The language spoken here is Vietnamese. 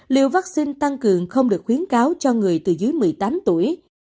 liều vaccine tăng cường không được khuyến cáo cho người từ dưới một mươi tám tuổi